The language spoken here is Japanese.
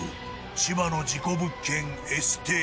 千葉の事故物件Ｓ邸